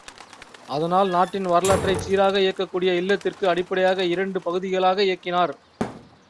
அதனால் நாட்டின் வரலாற்றைச் சீராக இயக்கக்கூடிய இல்லறத்திற்கு அடிப்படையாக இரண்டு பகுதிகளாக இயக்கினார்.